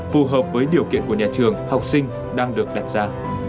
phù hợp với điều kiện của nhà trường học sinh đang được đặt ra